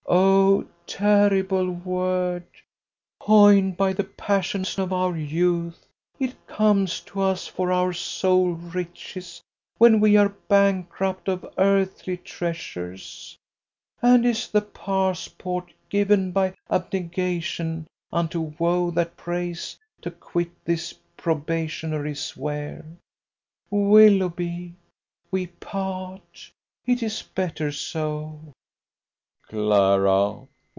Oh, terrible word! Coined by the passions of our youth, it comes to us for our sole riches when we are bankrupt of earthly treasures, and is the passport given by Abnegation unto Woe that prays to quit this probationary sphere. Willoughby, we part. It is better so." "Clara!